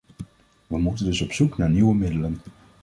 We moeten dus op zoek naar nieuwe middelen.